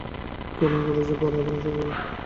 চলুন কোর্টে যাই, পরে আবার আসা যাবে।